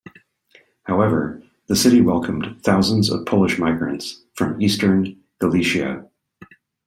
However, the city welcomed thousands of Polish migrants from Eastern Galicia.